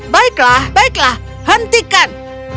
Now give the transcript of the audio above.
baiklah baiklah hentikan